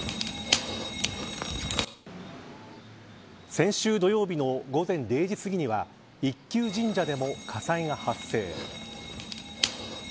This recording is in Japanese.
先週土曜日の午前０時すぎには一宮神社でも火災が発生。